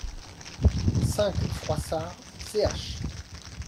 cinq Froissard, ch.